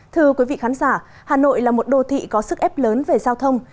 thưa quý vị khán giả hà nội là một đô thị có sức ép lớn về giao thông